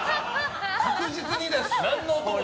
確実にです！